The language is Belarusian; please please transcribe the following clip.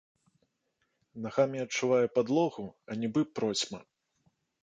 Нагамі адчувае падлогу, а нібы процьма.